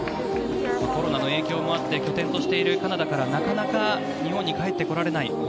コロナの影響もあって拠点としているカナダからなかなか日本に帰ってこられない